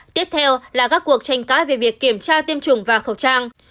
tiếp theo là các cuộc tranh cãi về việc kiểm tra tiêm chủng và khẩu trang